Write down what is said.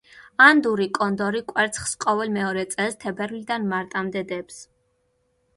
ანდური კონდორი კვერცხს ყოველ მეორე წელს, თებერვლიდან მარტამდე დებს.